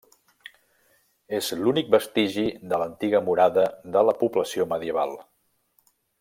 És l'únic vestigi de l'antiga murada de la població medieval.